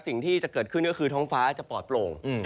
สิ่งที่จะเกิดขึ้นก็คือท้องฟ้าจะปลอดโปร่ง